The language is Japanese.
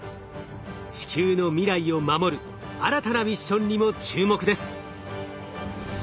地球の未来を守る新たなミッションにも注目です。